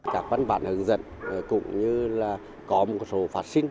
các văn bản hướng dẫn cũng như là có một số phát sinh